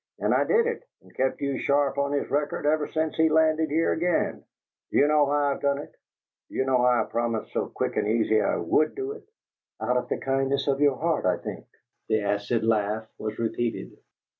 And I did it, and kept you sharp on his record ever since he landed here again. Do you know why I've done it? Do you know why I promised so quick and easy I WOULD do it?" "Out of the kindness of your heart, I think." The acid laugh was repeated.